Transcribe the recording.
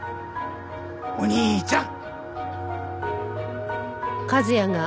お兄ちゃん！